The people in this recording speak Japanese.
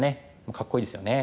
かっこいいですよね。